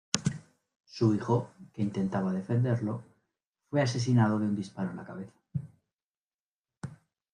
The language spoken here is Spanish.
Su hijo, que intentaba defenderlo, fue asesinado de un disparo en la cabeza.